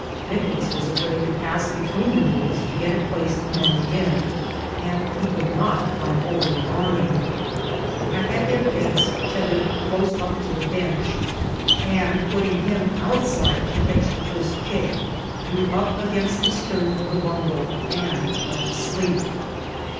Nicolas was afraid to pass between the mules to get a place among the men, and he could not climb over the awning. I had their heads tethered 36 INCIDENTS OF TRAVEL. close up to the bench, and putting him outside to catch the first kick, drew up against the stern of the bungo and went to sleep.